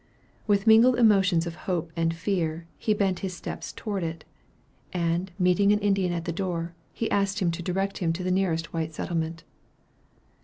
With mingled emotions of hope and fear, he bent his steps towards it; and meeting an Indian at the door, he asked him to direct him to the nearest white settlement.